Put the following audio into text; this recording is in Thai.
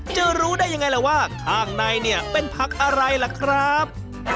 จะรู้ได้อย่างไรเหรอว่าข้างในนี่เป็นพักอะไรหรือครับ